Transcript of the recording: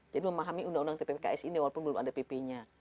jadi memahami undang undang tpks ini walaupun belum ada pp nya